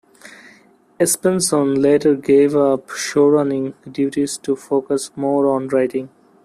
Espenson later gave up showrunning duties to focus more on writing.